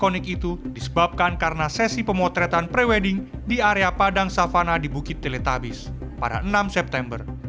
konik itu disebabkan karena sesi pemotretan pre wedding di area padang savana di bukit teletabis pada enam september